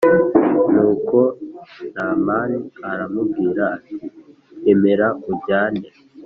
Nuko N mani aramubwira ati Emera ujyane